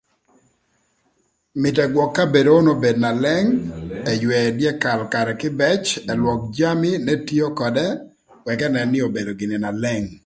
Mïtö ëgwök kabedo onu obed na leng, ëywëë dyekal karë kïbëc, ëlwök jami n'etio ködë wëk ënën nï obedo gïnï na leng.